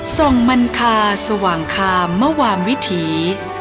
ส่งมันคาสว่างคามมวามวิถี